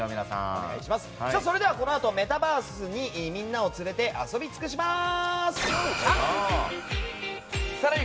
それではこのあとメタバースにみんなを連れて遊び尽くします！